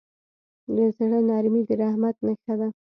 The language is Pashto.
د زړه نرمي د رحمت نښه ده.